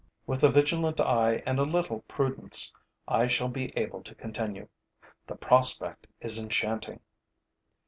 With a vigilant eye and a little prudence, I shall be able to continue. The prospect is enchanting.